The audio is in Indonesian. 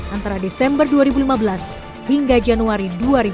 antara desember dua ribu lima belas hingga januari dua ribu dua puluh